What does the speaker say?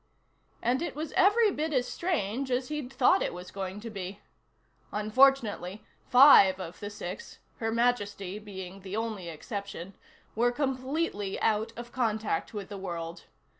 And it was every bit as strange as he'd thought it was going to be. Unfortunately, five of the six (Her Majesty being the only exception) were completely out of contact with the world.